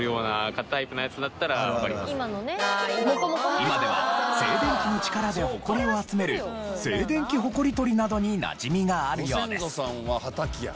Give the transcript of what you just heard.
今では静電気の力でホコリを集める静電気ホコリ取りなどになじみがあるようです。